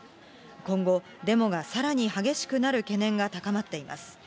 今後、デモがさらに激しくなる懸念が高まっています。